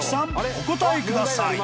お答えください］